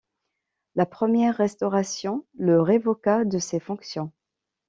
La première Restauration le révoqua de ces fonctions.